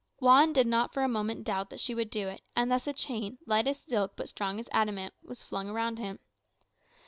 Juan did not for a moment doubt that she would do it; and thus a chain, light as silk but strong as adamant, was flung around him.